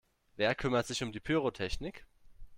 Wer kümmert sich um die Pyrotechnik?